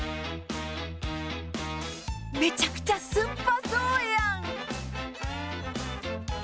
めちゃくちゃ酸っぱそうやん。